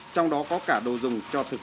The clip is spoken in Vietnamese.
chỉ có bán được